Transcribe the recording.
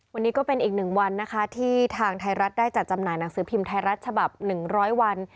วันนี้ก็เป็นอีกหนึ่งวันนะคะที่ทางไทยรัฐได้จัดจำหน่ายหนังสือพิมพ์ไทยรัฐฉบับ๑๐๐วัน